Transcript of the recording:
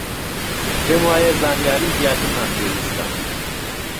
پێم وایە زانیاریی زیاترمان پێویستە.